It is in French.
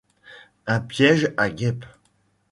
Un piège à guêpes.